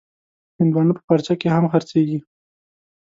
هندوانه په پارچه کې هم خرڅېږي.